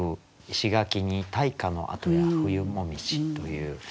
「石垣に大火の跡や冬紅葉」という。